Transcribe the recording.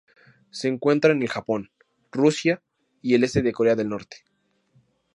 Se encuentra en el Japón, Rusia y el este de Corea del Norte.